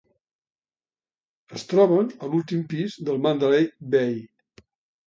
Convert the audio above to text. Es troben a l'últim pis del Mandalay Bay.